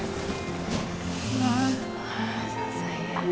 ma bangun banget sama rumah